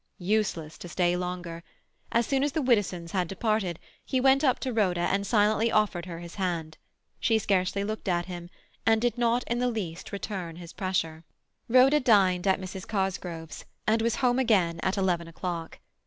Useless to stay longer. As soon as the Widdowsons had departed he went up to Rhoda and silently offered his hand. She scarcely looked at him, and did not in the least return his pressure. Rhoda dined at Mrs. Cosgrove's, and was home again at eleven o'clock.